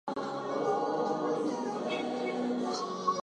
The Town of Big Sandy is served by the Big Sandy Independent School District.